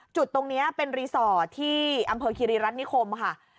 จุดตรงนี้เป็นรีสอร์ทที่อำเภอคิริรัตนิคมค่ะ